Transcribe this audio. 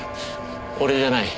俺じゃない。